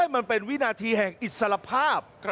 มันเป็นวินาทีแห่งอิสระภาพ